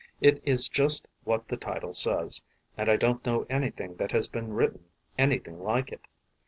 It is just what the title says, and I don't know anything that has been written anything like it.